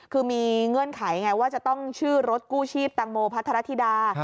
คือมีเงื่อนไขไงว่าจะต้องชื่อรถกู้ชีพตังโมพัทรธิดา